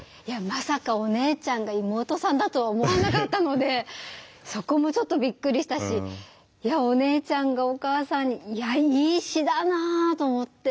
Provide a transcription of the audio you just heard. まさかお姉ちゃんが妹さんだとは思わなかったのでそこもちょっとびっくりしたしお姉ちゃんがお母さんにいやいい詩だなあと思って。